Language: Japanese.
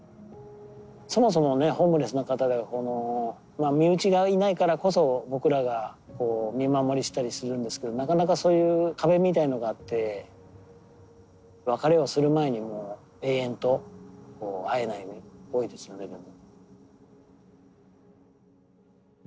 そもそもねホームレスの方でこの身内がいないからこそ僕らが見守りしたりするんですけどなかなかそういう壁みたいのがあって別れをする前にもう永遠と会えないことが多いですよね。